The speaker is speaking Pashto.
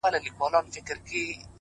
ته دې هره ورځ و هيلو ته رسېږې ـ